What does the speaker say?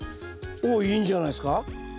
おおいいんじゃないですか。